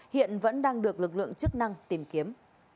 hiện vẫn đang được lực lượng chức năng tìm kiếm